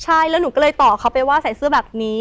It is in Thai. ใช่แล้วหนูก็เลยต่อเขาไปว่าใส่เสื้อแบบนี้